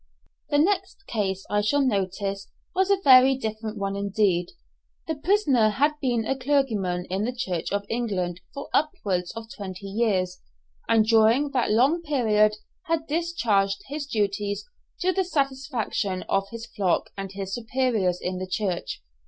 The next case I shall notice was a very different one indeed. The prisoner had been a clergyman in the Church of England for upwards of twenty years, and during that long period had discharged his duties to the satisfaction of his flock and his superiors in the church.